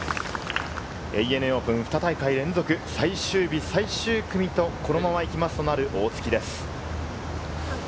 ＡＮＡオープン２大会連続、最終日最終組とこのまま行きますと、なります、大槻です。